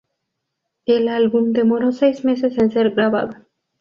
El álbum demoró seis meses en ser grabado.